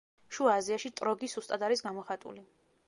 შუა აზიაში ტროგი სუსტად არის გამოხატული.